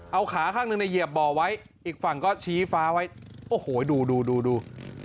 เอาขาข้างหนึ่งเนี่ยเหยียบบ่อไว้อีกฝั่งก็ชี้ฟ้าไว้โอ้โหดูดูดู